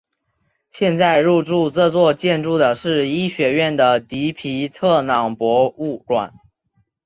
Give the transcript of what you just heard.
现在入驻这座建筑的是医学院的迪皮特朗博物馆。